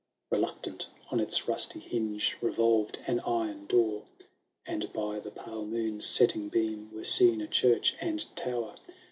Heluctant on its rusty hinge Revolved an iron door, And by the pale moon's setting beam Were seen a church and tower.